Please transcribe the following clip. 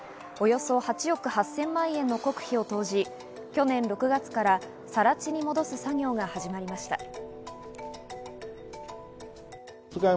およそ８億８０００万円の国費を投じ、去年６月からさら地に戻す作業が始まりました。